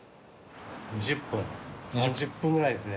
２０分３０分ぐらいですね。